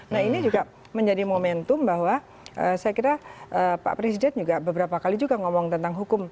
nah ini juga menjadi momentum bahwa saya kira pak presiden juga beberapa kali juga ngomong tentang hukum